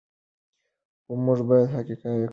خو موږ باید حقایق بیان کړو.